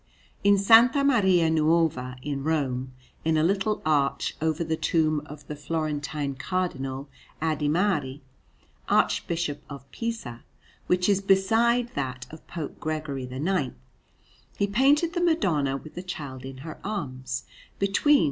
In S. Maria Nuova in Rome, in a little arch over the tomb of the Florentine Cardinal Adimari, Archbishop of Pisa, which is beside that of Pope Gregory IX, he painted the Madonna with the Child in her arms, between S.